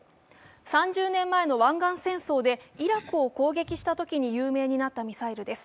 ３０年前の湾岸戦争でイラクを攻撃したときに有名になったミサイルです。